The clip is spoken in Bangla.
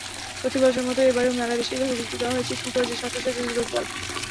প্রতিবছরের মতো এবারের মেলায় বিশেষভাবে গুরুত্ব দেওয়া হয়েছে স্কুল-কলেজের ছাত্রছাত্রীদের ওপর।